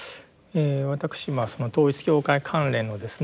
私その統一教会関連のですね